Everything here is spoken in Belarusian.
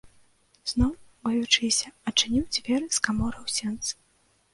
Зноў, баючыся, адчыніў дзверы з каморы ў сенцы.